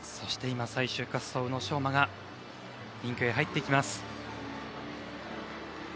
最終滑走の宇野昌磨がリンクへ入ってきます。